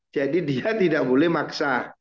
jadi dia tidak boleh maksa